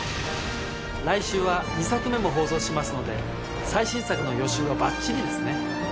来週は２作目も放送しますので最新作の予習はバッチリですね。